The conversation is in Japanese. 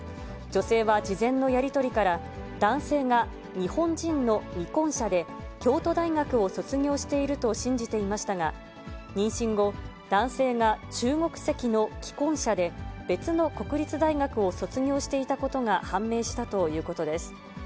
女性は事前のやり取りから、男性が日本人の未婚者で、京都大学を卒業していると信じていましたが、妊娠後、男性が中国籍の既婚者で、別の国立大学を卒業していたことが判明したということです。